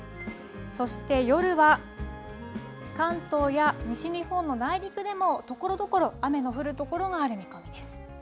そして、夜は関東や西日本の内陸でもところどころ雨の降る所がある見込みです。